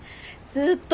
ずーっと。